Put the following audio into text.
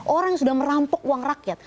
orang yang sudah merampok uang rakyat